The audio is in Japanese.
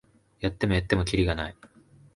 やってもやってもキリがない